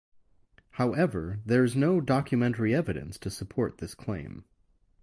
However, there is no documentary evidence to support this claim.